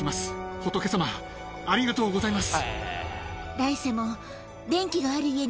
仏様、ありがとうございます。